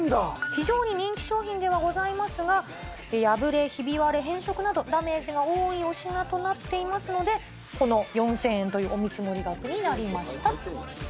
非常に人気商品ではございますが、破れ、ひび割れ、変色などダメージが多いお品となっていますので、この４０００円というお見積額になりました。